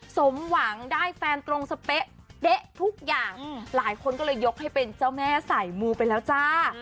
สมหวังได้แฟนตรงสเป๊ะเด๊ะทุกอย่างหลายคนก็เลยยกให้เป็นเจ้าแม่สายมูไปแล้วจ้า